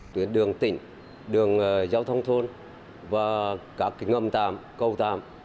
tuyến đường tỉnh đường giao thông thôn và các ngầm tàm câu tàm